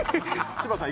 柴田さん